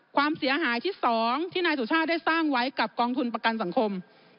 ความเสียหายที่๒ที่นายสุชาติได้สร้างไว้กับกองทุนประกันสังคม